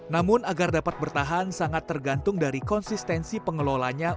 namun agar dapat bertahan sangat tergantung dari konsistensi pengelolanya